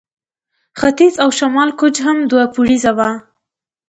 ختیځ او شمال کونج هم دوه پوړیزه وه.